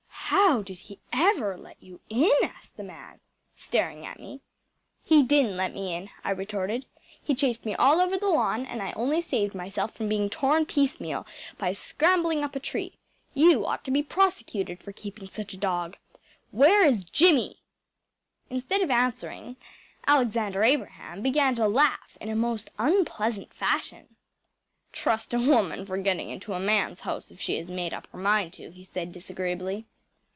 ‚ÄĚ “How did he ever let you in?‚ÄĚ asked the man, staring at me. “He didn’t let me in,‚ÄĚ I retorted. “He chased me all over the lawn, and I only saved myself from being torn piecemeal by scrambling up a tree. You ought to be prosecuted for keeping such a dog! Where is Jimmy?‚ÄĚ Instead of answering Alexander Abraham began to laugh in a most unpleasant fashion. “Trust a woman for getting into a man’s house if she has made up her mind to,‚ÄĚ he said disagreeably.